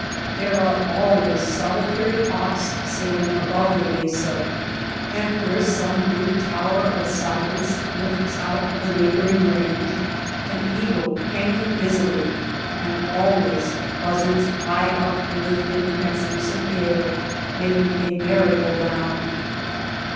There are always solitary hawks sailing 152 THE MESA TRAIL above the mesa, and where some blue tower of silence lifts out of the neighboring range, an eagle hanging dizzily, and always buz zards high up in the thin, translucent air making a merry go round.